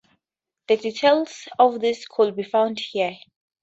The details of this could be found here.